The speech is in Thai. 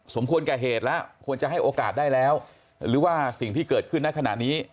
ควรแก่เหตุแล้วควรจะให้โอกาสได้แล้วหรือว่าสิ่งที่เกิดขึ้นในขณะนี้